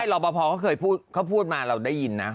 หลอบพอร์เคยพูดมาเราได้ยินนะ